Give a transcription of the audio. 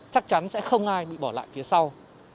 chắc chắn sẽ không ai bị bỏ lại phía sau